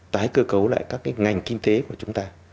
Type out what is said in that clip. tái cơ cấu lại các cái ngành kinh tế của chúng ta